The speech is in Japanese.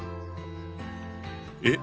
えっ？